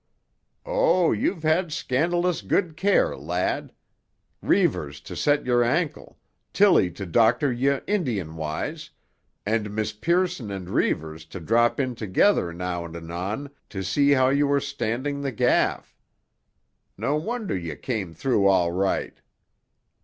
Oh, you've had scandalous good care, lad; Reivers to set your ankle, Tilly to doctor ye Indian wise, and Miss Pearson and Reivers to drop in together now and anon to see how ye were standing the gaff. No wonder ye came through all right!"